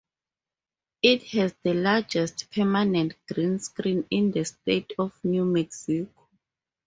It has the largest permanent green screen in the state of New Mexico.